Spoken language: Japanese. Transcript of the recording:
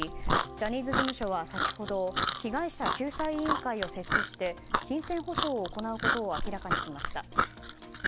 ジャニーズ事務所は先ほど被害者救済委員会を設置して金銭補償を行うことを明らかにしました。